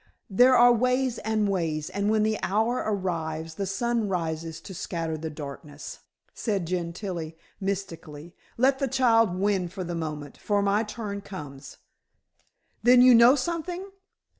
"There are ways and ways, and when the hour arrives, the sun rises to scatter the darkness," said Gentilla mystically. "Let the child win for the moment, for my turn comes." "Then you know something?"